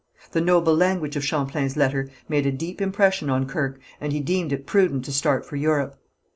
The noble language of Champlain's letter made a deep impression on Kirke, and he deemed it prudent to start for Europe.